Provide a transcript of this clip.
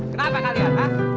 kenapa gak liat